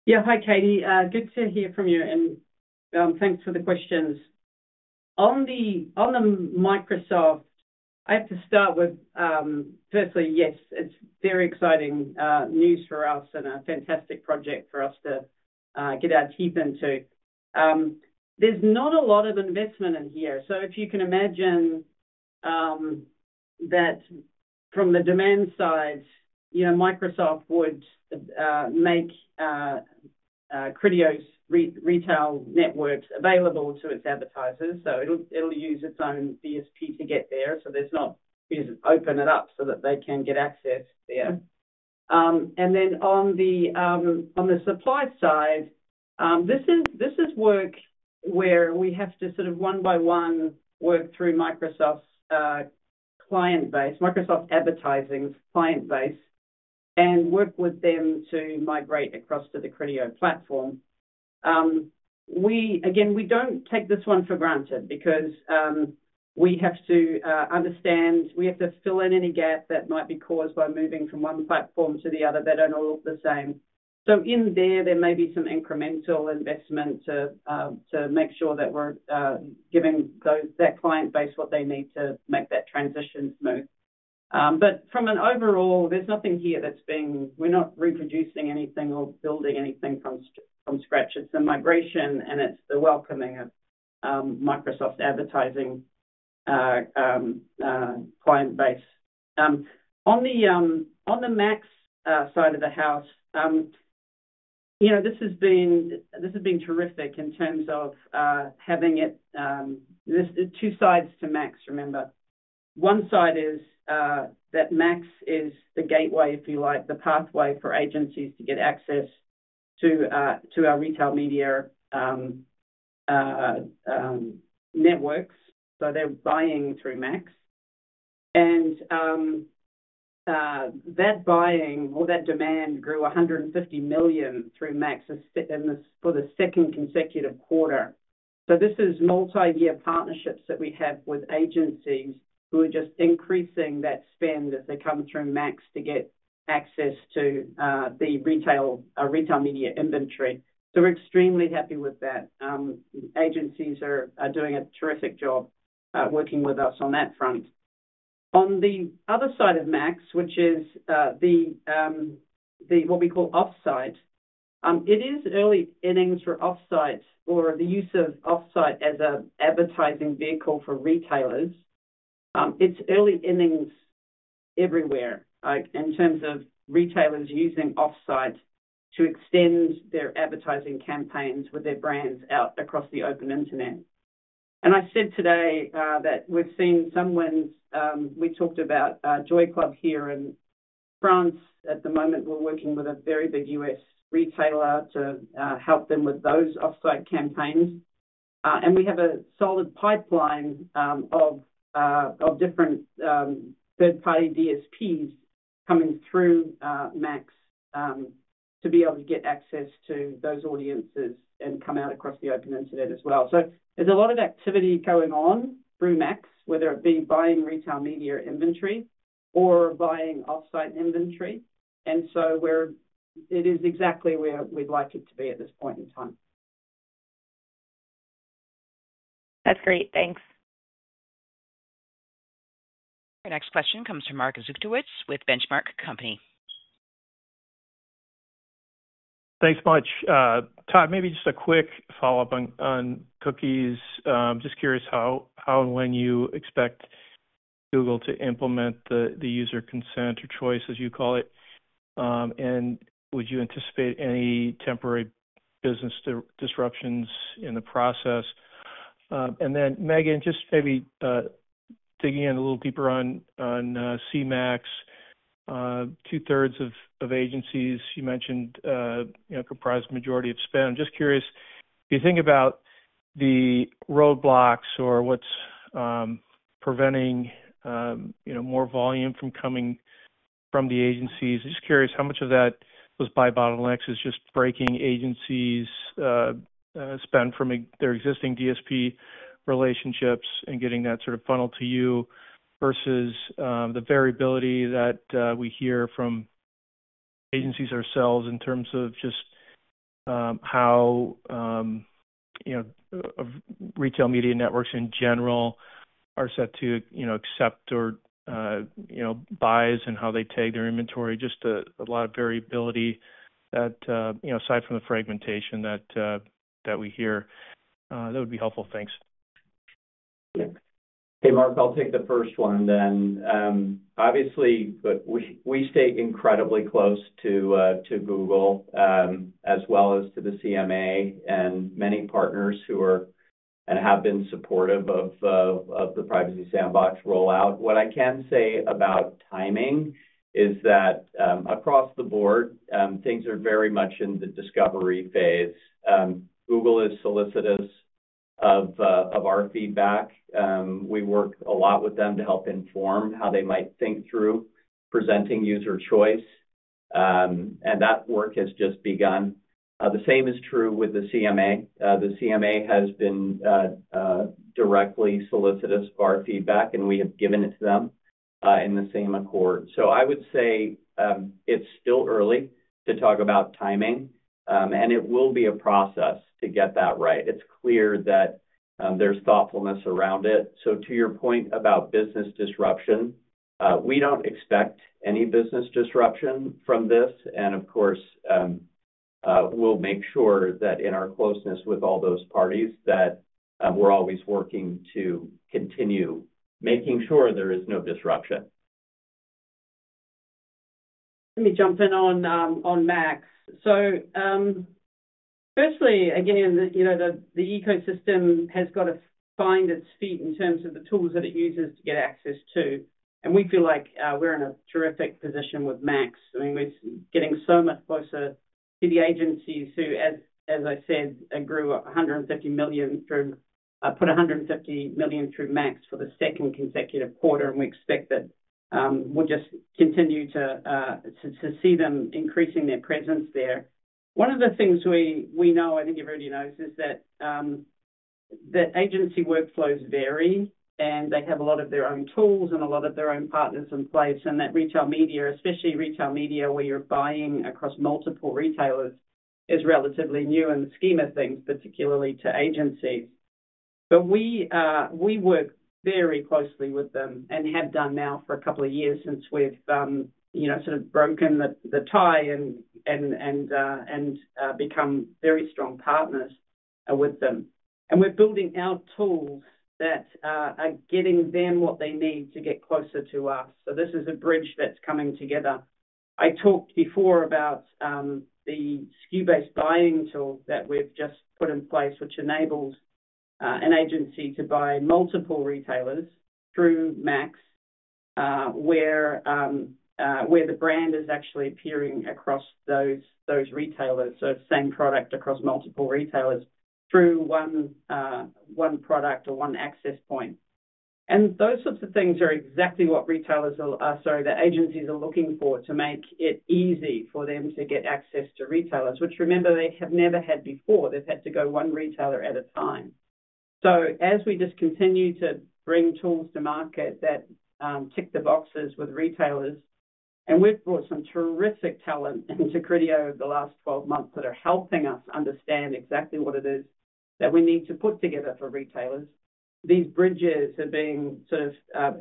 Yeah. Hi, Katy. Good to hear from you. And thanks for the questions. On the Microsoft, I have to start with, firstly, yes, it's very exciting news for us and a fantastic project for us to get our teeth into. There's not a lot of investment in here. So if you can imagine that from the demand side, Microsoft would make Criteo's retail networks available to its advertisers. So it'll use its own DSP to get there. So they just open it up so that they can get access there. And then on the supply side, this is work where we have to sort of one by one work through Microsoft's client base, Microsoft Advertising's client base, and work with them to migrate across to the Criteo platform. Again, we don't take this one for granted because we have to understand we have to fill in any gap that might be caused by moving from one platform to the other. They don't all look the same. So in there, there may be some incremental investment to make sure that we're giving that client base what they need to make that transition smooth. But from an overall, there's nothing here that's being we're not reproducing anything or building anything from scratch. It's a migration, and it's the welcoming of Microsoft Advertising client base. On the Max side of the house, this has been terrific in terms of having it. There's two sides to Max, remember. One side is that Max is the gateway, if you like, the pathway for agencies to get access to our retail media networks. So they're buying through Max. And that buying or that demand grew $150 million through Max for the second consecutive quarter. So this is multi-year partnerships that we have with agencies who are just increasing that spend as they come through Max to get access to the retail media inventory. So we're extremely happy with that. Agencies are doing a terrific job working with us on that front. On the other side of Max, which is what we call offsite, it is early innings for offsite or the use of offsite as an advertising vehicle for retailers. It's early innings everywhere in terms of retailers using offsite to extend their advertising campaigns with their brands out across the open internet. I said today that we've seen some wins. We talked about JouéClub here in France. At the moment, we're working with a very big US retailer to help them with those offsite campaigns. We have a solid pipeline of different third-party DSPs coming through Max to be able to get access to those audiences and come out across the open internet as well. There's a lot of activity going on through Max, whether it be buying retail media inventory or buying offsite inventory. It is exactly where we'd like it to be at this point in time. That's great. Thanks. Your next question comes from Mark Zgutowicz with Benchmark Company. Thanks much. Todd, maybe just a quick follow-up on cookies. Just curious how and when you expect Google to implement the user consent or choice, as you call it. And would you anticipate any temporary business disruptions in the process? And then, Megan, just maybe digging in a little deeper on CMax, 2/3 of agencies, you mentioned comprise the majority of spend. I'm just curious, if you think about the roadblocks or what's preventing more volume from coming from the agencies, I'm just curious how much of that was by bottlenecks is just breaking agencies' spend from their existing DSP relationships and getting that sort of funnel to you versus the variability that we hear from agencies ourselves in terms of just how retail media networks in general are set to accept or buys and how they tag their inventory. Just a lot of variability aside from the fragmentation that we hear. That would be helpful. Thanks. Hey, Mark, I'll take the first one then. Obviously, we stay incredibly close to Google as well as to the CMA and many partners who are and have been supportive of the Privacy Sandbox rollout. What I can say about timing is that across the board, things are very much in the discovery phase. Google is solicitous of our feedback. We work a lot with them to help inform how they might think through presenting user choice. And that work has just begun. The same is true with the CMA. The CMA has been directly solicitous of our feedback, and we have given it to them in the same accord. So I would say it's still early to talk about timing, and it will be a process to get that right. It's clear that there's thoughtfulness around it. To your point about business disruption, we don't expect any business disruption from this. Of course, we'll make sure that in our closeness with all those parties that we're always working to continue making sure there is no disruption. Let me jump in on Max. Firstly, again, the ecosystem has got to find its feet in terms of the tools that it uses to get access to. We feel like we're in a terrific position with Max. I mean, we're getting so much closer to the agencies who, as I said, grew $150 million through put $150 million through Max for the second consecutive quarter. We expect that we'll just continue to see them increasing their presence there. One of the things we know, I think everybody knows, is that agency workflows vary, and they have a lot of their own tools and a lot of their own partners in place. And that retail media, especially retail media where you're buying across multiple retailers, is relatively new in the scheme of things, particularly to agencies. But we work very closely with them and have done now for a couple of years since we've sort of broken the tie and become very strong partners with them. And we're building out tools that are getting them what they need to get closer to us. So this is a bridge that's coming together. I talked before about the SKU-based buying tool that we've just put in place, which enables an agency to buy multiple retailers through Max, where the brand is actually appearing across those retailers. So it's the same product across multiple retailers through one product or one access point. And those sorts of things are exactly what retailers are sorry, the agencies are looking for to make it easy for them to get access to retailers, which, remember, they have never had before. They've had to go one retailer at a time. So as we just continue to bring tools to market that tick the boxes with retailers, and we've brought some terrific talent into Criteo over the last 12 months that are helping us understand exactly what it is that we need to put together for retailers, these bridges are being sort of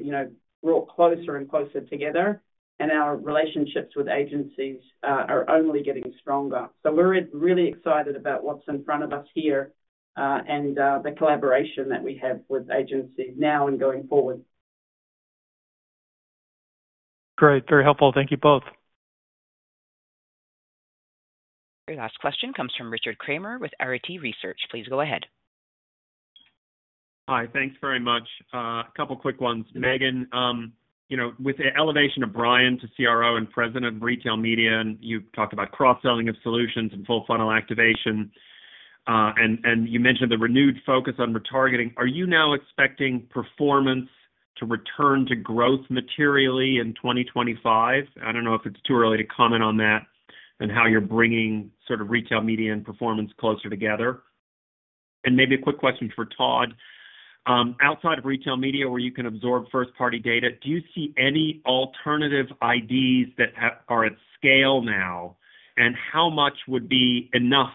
brought closer and closer together, and our relationships with agencies are only getting stronger. So we're really excited about what's in front of us here and the collaboration that we have with agencies now and going forward. Great. Very helpful. Thank you both. Your last question comes from Richard Kramer with Arete Research. Please go ahead. Hi. Thanks very much. A couple of quick ones. Megan, with the elevation of Brian to CRO and president of retail media, and you talked about cross-selling of solutions and full funnel activation, and you mentioned the renewed focus on retargeting. Are you now expecting performance to return to growth materially in 2025? I don't know if it's too early to comment on that and how you're bringing sort of retail media and performance closer together. And maybe a quick question for Todd. Outside of retail media where you can absorb first-party data, do you see any alternative IDs that are at scale now? And how much would be enough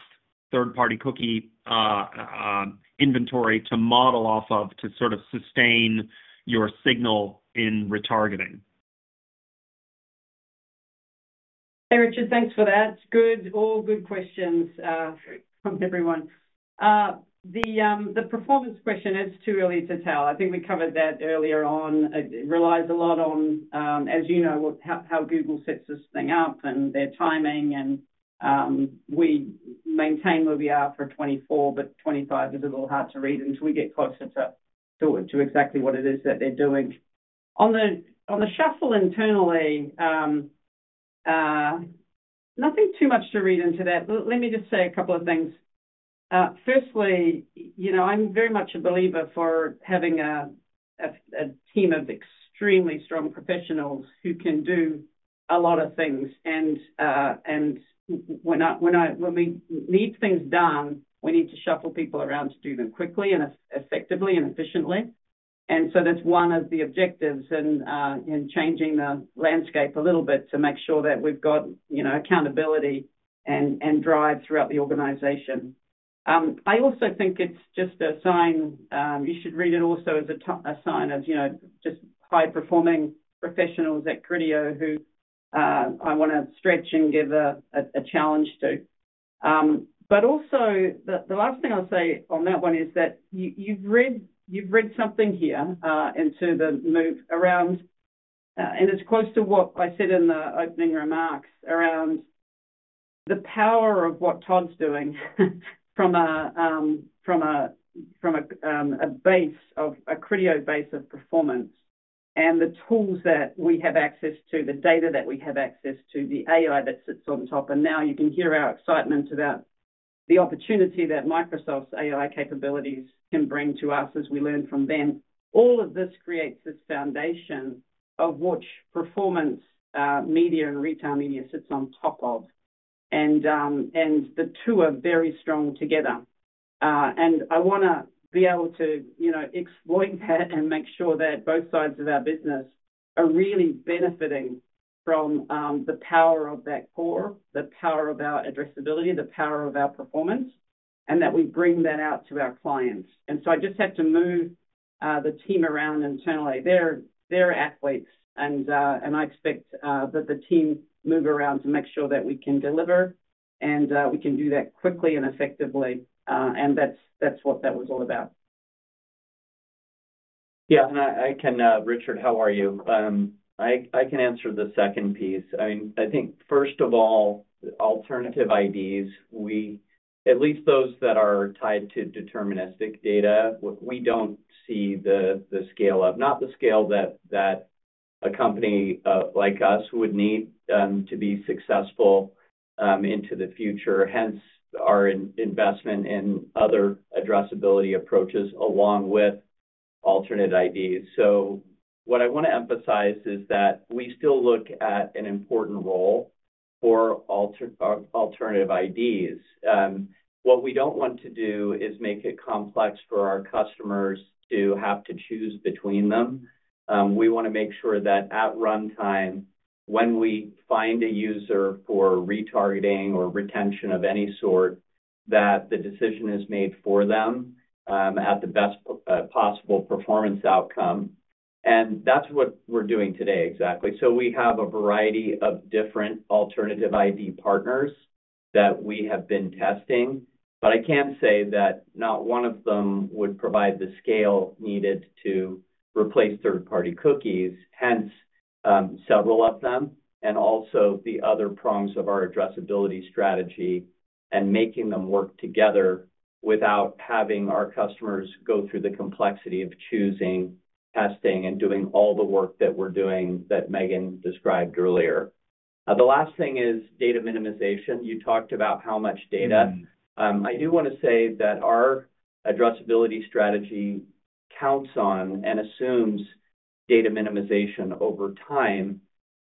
third-party cookie inventory to model off of to sort of sustain your signal in retargeting? Hey, Richard, thanks for that. All good questions from everyone. The performance question is too early to tell. I think we covered that earlier on. It relies a lot on, as you know, how Google sets this thing up and their timing. And we maintain where we are for 2024, but 2025 is a little hard to read until we get closer to exactly what it is that they're doing. On the shuffle internally, nothing too much to read into that. Let me just say a couple of things. Firstly, I'm very much a believer for having a team of extremely strong professionals who can do a lot of things. And when we need things done, we need to shuffle people around to do them quickly and effectively and efficiently. And so that's one of the objectives in changing the landscape a little bit to make sure that we've got accountability and drive throughout the organization. I also think it's just a sign you should read it also as a sign of just high-performing professionals at Criteo who I want to stretch and give a challenge to. But also, the last thing I'll say on that one is that you've read something here into the move around, and it's close to what I said in the opening remarks around the power of what Todd's doing from a base of a Criteo base of performance and the tools that we have access to, the data that we have access to, the AI that sits on top. And now you can hear our excitement about the opportunity that Microsoft's AI capabilities can bring to us as we learn from them. All of this creates this foundation of which performance media and retail media sit on top of. The two are very strong together. I want to be able to exploit that and make sure that both sides of our business are really benefiting from the power of that core, the power of our addressability, the power of our performance, and that we bring that out to our clients. So I just have to move the team around internally. They're athletes, and I expect that the team moves around to make sure that we can deliver and we can do that quickly and effectively. That's what that was all about. Yeah. And, Richard, how are you? I can answer the second piece. I mean, I think, first of all, alternative IDs, at least those that are tied to deterministic data, we don't see the scale of, not the scale that a company like us would need to be successful into the future, hence our investment in other addressability approaches along with alternate IDs. So what I want to emphasize is that we still look at an important role for alternative IDs. What we don't want to do is make it complex for our customers to have to choose between them. We want to make sure that at runtime, when we find a user for retargeting or retention of any sort, that the decision is made for them at the best possible performance outcome. And that's what we're doing today, exactly. So we have a variety of different alternative ID partners that we have been testing. But I can say that not one of them would provide the scale needed to replace third-party cookies, hence several of them, and also the other prongs of our addressability strategy and making them work together without having our customers go through the complexity of choosing, testing, and doing all the work that we're doing that Megan described earlier. The last thing is data minimization. You talked about how much data. I do want to say that our addressability strategy counts on and assumes data minimization over time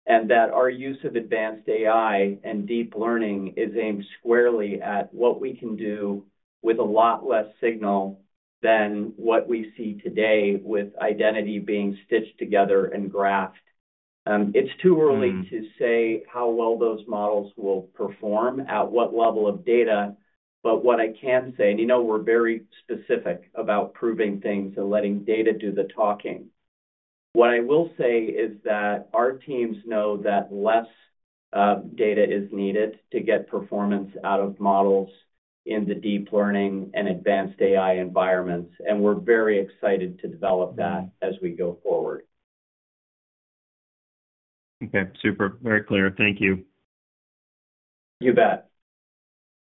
and that our use of advanced AI and deep learning is aimed squarely at what we can do with a lot less signal than what we see today with identity being stitched together and graphed. It's too early to say how well those models will perform at what level of data. But what I can say, and we're very specific about proving things and letting data do the talking. What I will say is that our teams know that less data is needed to get performance out of models in the deep learning and advanced AI environments. We're very excited to develop that as we go forward. Okay. Super. Very clear. Thank you. You bet.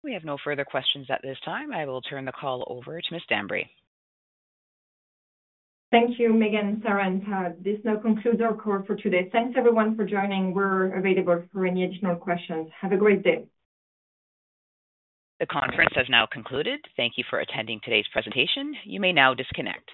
We have no further questions at this time. I will turn the call over to Ms. Dambre. Thank you, Megan, Sarah, and Todd. This now concludes our call for today. Thanks, everyone, for joining. We're available for any additional questions. Have a great day. The conference has now concluded. Thank you for attending today's presentation. You may now disconnect.